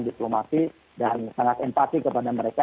diplomasi dan sangat empati kepada mereka